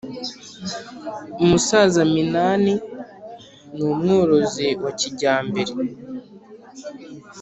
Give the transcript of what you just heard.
umusaza minani ni umworozi wa kijyambere